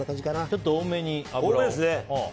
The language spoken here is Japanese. ちょっと多めに油を。